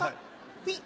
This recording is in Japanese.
ピッ。